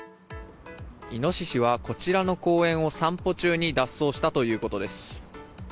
イノシシはこちらの公園を散歩中に脱走したということです。